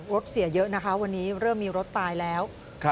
รถเสียเยอะนะคะวันนี้เริ่มมีรถตายแล้ว